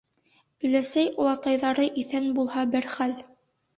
— Оләсәй-олатайҙары иҫән булһа бер хәл...